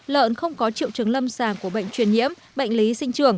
lợn không có triệu chứng lâm sàng của bệnh truyền nhiễm bệnh lý sinh trường